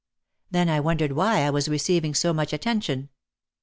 Then I wondered why I was receiving so much attention.